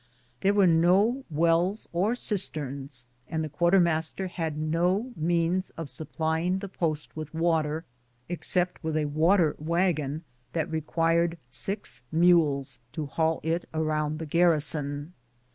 There were no wells or cisterns, and the quartermaster had no means of supplying the post with water, except with a water wagon that required six mules to haul it around the garrison.